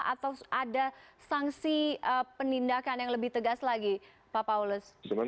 atau ada sanksi penindakan yang lebih tegas lagi pak paulus